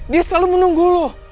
dia selalu menunggu